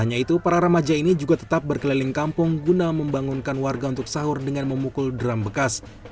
hanya itu para remaja ini juga tetap berkeliling kampung guna membangunkan warga untuk sahur dengan memukul drum bekas